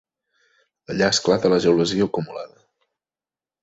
Allà esclata la gelosia acumulada.